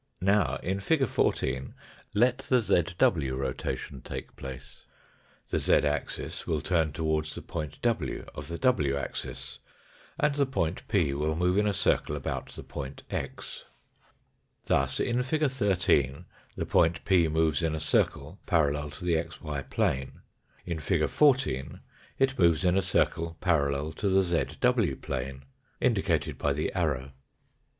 Now, in fig. 14 let the zw rotation take place, the z axis will turn toward the point iv of the w axis, and the point p will move in a circle about the point x. Thus in fig. 13 the point p moves in a circle parallel to the xy plane ; in fig. 14 it moves in a circle parallel to the zw plane, indicated by the arrow.